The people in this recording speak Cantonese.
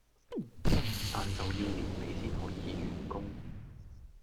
但就要年尾先可以完工